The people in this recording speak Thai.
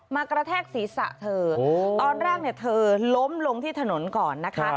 กระแทกศีรษะเธอตอนแรกเนี่ยเธอล้มลงที่ถนนก่อนนะคะ